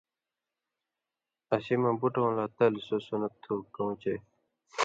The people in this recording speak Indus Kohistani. اسی مہ بُٹؤں لا تل سو سنت تُھو کؤں چے